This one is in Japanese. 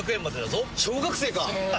小学生か！